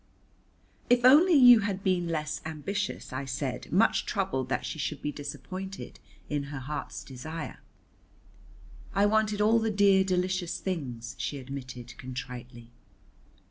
"If only you had been less ambitious," I said, much troubled that she should be disappointed in her heart's desire. "I wanted all the dear delicious things," she admitted contritely.